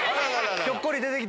ひょっこり出てきた？